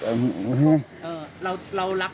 ชาวบ้านญาติโปรดแค้นไปดูภาพบรรยากาศขณะ